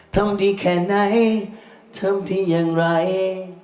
ทำดีแค่ไหนทำได้อย่างไร